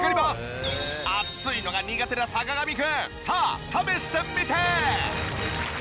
暑いのが苦手な坂上くんさあ試してみて！